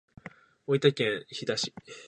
大分県日田市